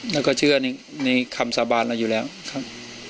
แล้วก็เชื่อในคำสาบานเราอยู่แล้วครับ